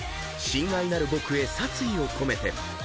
『親愛なる僕へ殺意をこめて』］